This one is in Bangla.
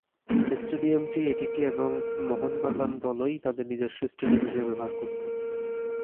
স্টেডিয়ামটি এটিকে এবং মোহনবাগান দলই তাদের নিজস্ব স্টেডিয়াম হিসেবে ব্যবহার করতো।